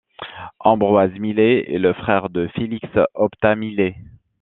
Ambroise Milet est le frère de Félix Optat Milet.